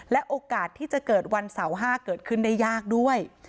โอกาสที่จะเกิดวันเสาร์๕เกิดขึ้นได้ยากด้วย